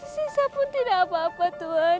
sisa pun tidak apa apa tuhan